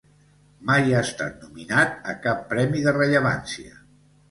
Mai ha estat nominat a cap premi de rellevància.